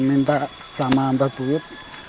minta sama mbak buyut